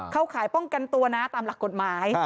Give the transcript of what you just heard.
เข้าข่ายป้องกันตัวตามหลักกฎหมาย